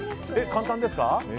簡単ですか？